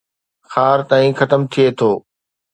خار تائين ختم ٿئي ٿو